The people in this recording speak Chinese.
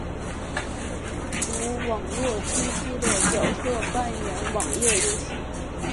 是游族网络推出的角色扮演网页游戏。